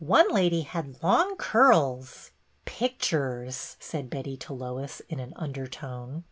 One lady had long curls." '' Pictures !" said Betty to Lois, in an under tone.